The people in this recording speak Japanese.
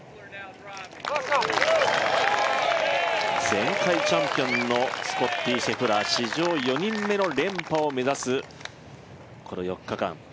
前回チャンピオンのスコッティ・シェフラー史上４人目の連覇を目指す、この４日間。